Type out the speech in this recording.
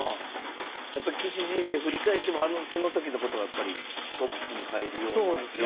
やっぱ棋士人生振り返ってもその時のことがやっぱりトップに入るような喜びですか。